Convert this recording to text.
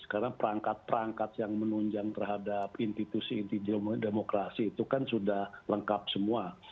karena perangkat perangkat yang menunjang terhadap institusi institusi demokrasi itu kan sudah lengkap semuanya